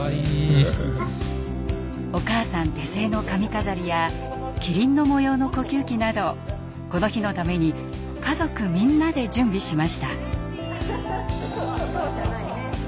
お母さん手製の髪飾りやキリンの模様の呼吸器などこの日のために家族みんなで準備しました。